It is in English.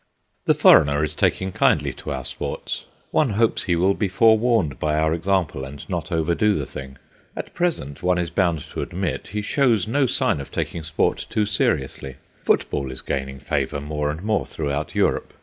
The foreigner is taking kindly to our sports; one hopes he will be forewarned by our example and not overdo the thing. At present, one is bound to admit, he shows no sign of taking sport too seriously. Football is gaining favour more and more throughout Europe.